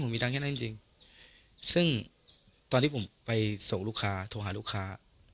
มีตังค์แค่นั้นจริงซึ่งตอนที่ผมไปส่งลูกค้าโทรหาลูกค้า